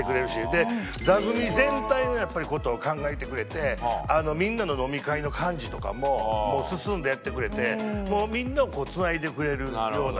で座組全体の事を考えてくれてみんなの飲み会の幹事とかももう進んでやってくれてみんなをつないでくれるような人で。